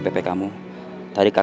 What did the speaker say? jangan kakak penipu